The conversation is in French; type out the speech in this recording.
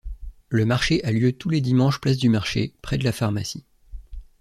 Le marché a lieu tous les dimanches place du marché, près de la pharmacie.